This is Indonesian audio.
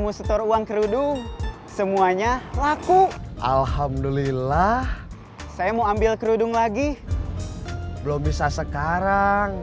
muster uang kerudung semuanya laku alhamdulillah saya mau ambil kerudung lagi belum bisa sekarang